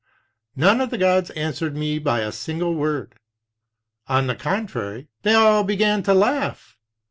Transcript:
None of the gods answered me by a single word; on the contrary, they all began to laugh.